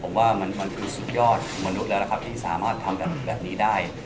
ผมว่ามันคือสุดยอดมนุษย์แล้วนะครับที่สามารถทำแบบนี้ได้